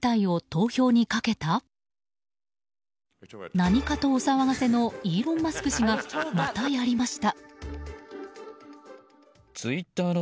何かとお騒がせのイーロン・マスク氏がまたやりました。